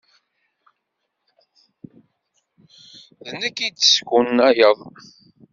D nekk i d-teskunayeḍ?